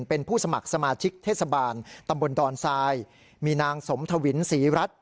เป็นผู้สมัครสมาชิกเทศบาลตำบลดอนทรายมีนางสมทวินศรีรัฐ